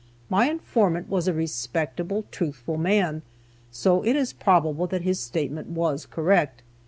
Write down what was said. My informant was a respectable, truthful man, so it is probable that his statement was correct.